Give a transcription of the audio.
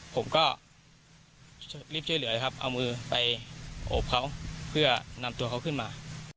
ผมก็รีบช่วยเหลือครับเอามือไปโอบเขาเพื่อนำตัวเขาขึ้นมา